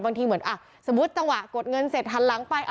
บางทีเหมือนสมมุติจังหวะกดเงินเสร็จหันหลังไป